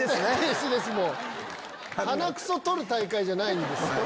鼻くそ取る大会じゃないんです。